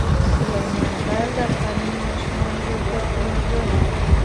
سلیمان غر د افغان ماشومانو د زده کړې موضوع ده.